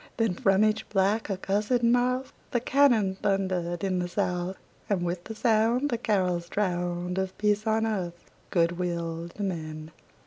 Then from each black, accursed mouth The cannon thundered in the South, And with the sound The carols drowned Of peace on earth, good will to men!